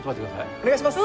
お願いします。